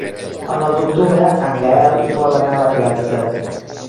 El nou d'octubre en Gaël vol anar a la platja.